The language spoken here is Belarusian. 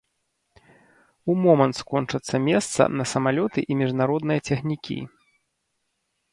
У момант скончацца месца на самалёты і міжнародныя цягнікі.